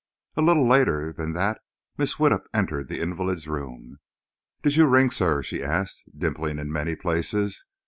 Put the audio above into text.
A little later than that Mrs. Widdup entered the invalid's room. "Did you ring, Sir?" she asked, dimpling in many places.